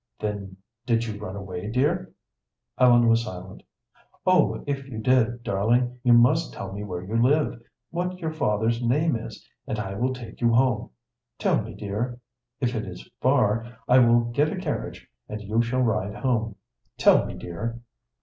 "Then did you run away, dear?" Ellen was silent. "Oh, if you did, darling, you must tell me where you live, what your father's name is, and I will take you home. Tell me, dear. If it is far, I will get a carriage, and you shall ride home. Tell me, dear."